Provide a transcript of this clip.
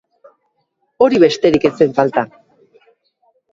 Hori besterik ez zen falta.